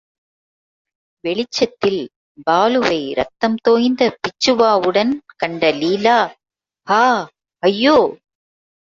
வெளிச்சத்தில் பாலுவை ரத்தம் தோய்ந்த பிச்சுவாவுடன் கண்ட லீலா ஹா ஐயோ!